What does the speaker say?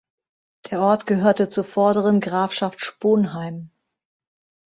Der Ort gehörte zur vorderen Grafschaft Sponheim.